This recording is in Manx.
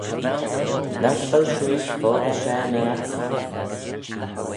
Nagh vel shiuish foddey share na adsyn?